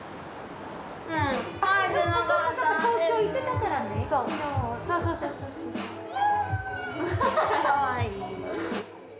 かわいい。